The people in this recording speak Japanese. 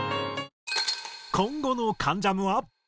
今後の『関ジャム』は。